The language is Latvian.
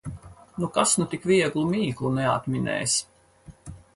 Nu, kas nu tik vieglu mīklu neatminēs!